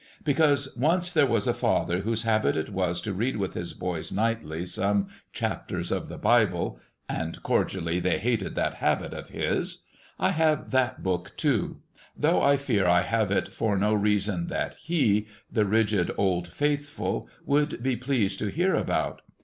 Because once there was a father whose habit it was to read with his boys nightly some chapters of the Bible and cordially they hated that habit of his I have that Book too; though I fear I have it for no reason that he, the rigid old faithful, would be pleased to hear about.